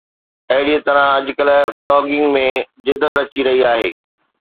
اهڙي طرح اڄڪلهه بلاگنگ ۾ جدت اچي رهي آهي